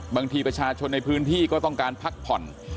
บางทีประชาชนในพื้นที่ก็ต้องการพักผ่อน